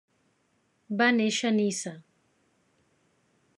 Va néixer Niça.